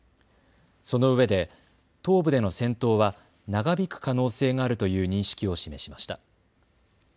そのうえで東部での戦闘は長引く可能性があるという認識を示しました。